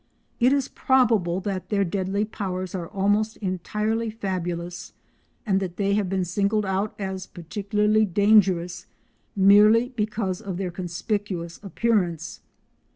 It is probable that their deadly powers are almost entirely fabulous; and that they have been singled out as particularly dangerous merely because of their conspicuous appearance.